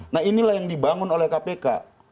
nah inilah yang dibangun oleh kpk